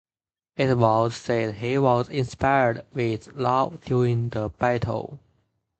It was said he was inspired with love during the battle.